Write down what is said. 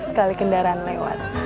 sekali kendaraan lewat